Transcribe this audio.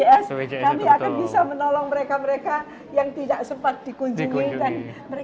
kami akan bisa menolong mereka mereka yang tidak sempat dikunjungi dan mereka